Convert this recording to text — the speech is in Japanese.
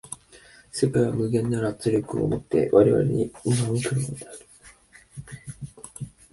世界は無限なる圧力を以て我々に臨み来るものである。